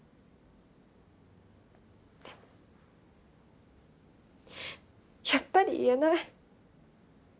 でもやっぱり言えない。